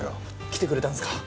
来てくれたんですか！